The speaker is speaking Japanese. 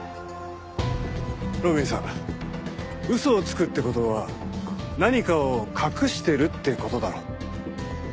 路敏さ嘘をつくって事は何かを隠してるって事だろ。